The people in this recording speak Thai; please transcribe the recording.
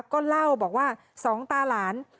ก็เล่าบอกว่าสองตาหลาน